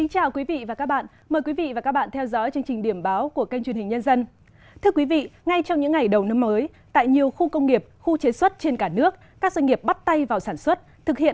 hãy đăng ký kênh để ủng hộ kênh của chúng mình nhé